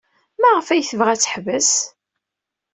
Maɣef ay tebɣa ad teḥbes?